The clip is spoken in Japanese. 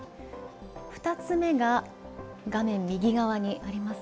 ２つ目が画面右側にあります